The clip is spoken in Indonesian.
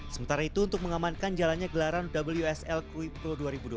sementara itu untuk mengamankan jalannya gelaran wsl krui pro dua ribu dua puluh